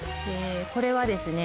これはですね